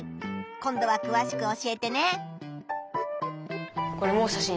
今度はくわしく教えてね。